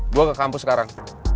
gue ke kampus sekarang